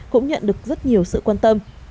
cũng nhận được rất nhiều sự quan tâm